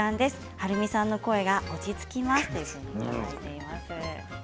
はるみさんの声が落ち着きますといただきました。